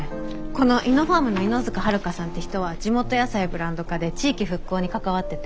このイノファームの猪塚遥さんって人は地元野菜ブランド化で地域復興に関わってて。